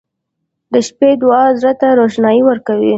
• د شپې دعا زړه ته روښنایي ورکوي.